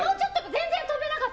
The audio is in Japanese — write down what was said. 全然跳べなかった。